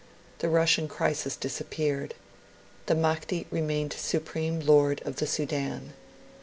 The Russian crisis disappeared. The Mahdi remained supreme lord of the Sudan.